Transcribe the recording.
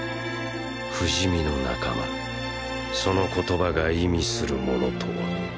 不死身の仲間その言葉が意味するものとは。